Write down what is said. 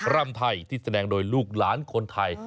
รำไทยที่แสดงโดยลูกหลานคนไทย